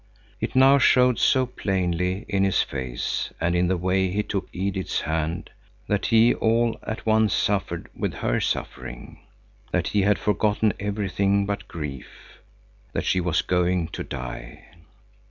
It now showed so plainly in his face and in the way he took Edith's hand, that he all at once suffered with her suffering,— that he had forgotten everything but grief, that she was going to die.